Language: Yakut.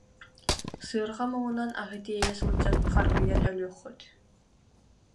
Сыарҕа муҥунан аһы тиэйэ сылдьан харгыйан өлүөххүт